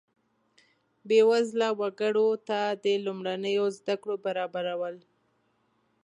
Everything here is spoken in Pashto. بیوزله وګړو ته د لومړنیو زده کړو برابرول.